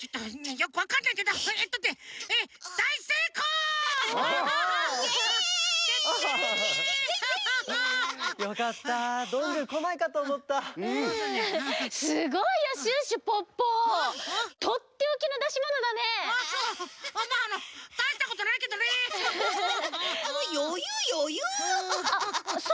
よゆうよゆう！